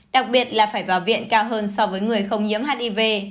đặc biệt là phải vào viện cao hơn so với người không nhiễm hiv